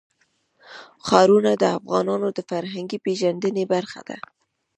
ښارونه د افغانانو د فرهنګي پیژندنې برخه ده.